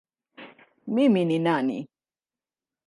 Mimi ni nani?